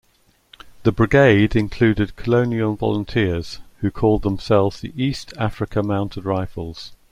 The brigade included colonial volunteers who called themselves the East Africa Mounted Rifles.